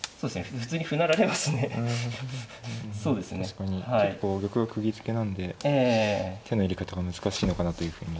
確かにちょっとこう玉がくぎづけなんで手の入れ方が難しいのかなというふうに。